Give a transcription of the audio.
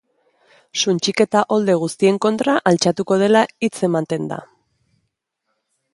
Suntsiketa olde guztien kontra altxatuko dela hitz ematen du.